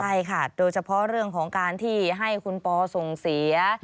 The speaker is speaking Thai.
ใช่ค่ะโดยเฉพาะเรื่องของการที่ให้คุณปอส่งเสีย